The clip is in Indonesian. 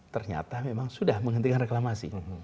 ternyata memang sudah menghentikan reklamasi